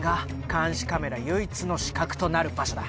監視カメラ唯一の死角となる場所だ